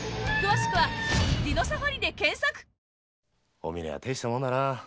お峰はてえしたもんだな。